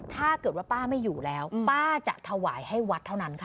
ถ้าเกิดว่าป้าไม่อยู่แล้วป้าจะถวายให้วัดเท่านั้นค่ะ